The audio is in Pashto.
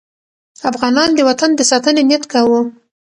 افغانان د وطن د ساتنې نیت کاوه.